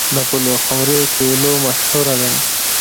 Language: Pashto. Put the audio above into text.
د پلخمري سیلو مشهوره ده.